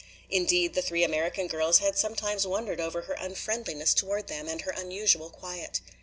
Indeed, the three American girls had sometimes wondered over her unfriendliness toward them and her unusual quiet.